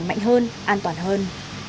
lành mạnh hơn an toàn hơn